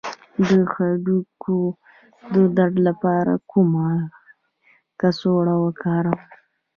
د هډوکو د درد لپاره کومه کڅوړه وکاروم؟